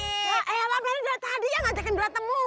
eh alamnya dari tadi yang ngajakin beratamu